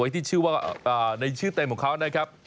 ที่ชื่อว่าในชื่อเต็มของเขานะครับ